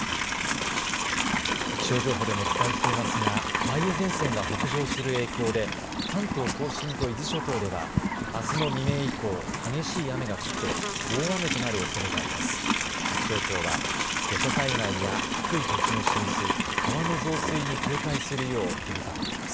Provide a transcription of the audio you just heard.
気象情報でもお伝えしていますが梅雨前線が北上する影響で関東甲信と伊豆諸島ではあすの未明以降、激しい雨が降って大雨となるおそれがあります。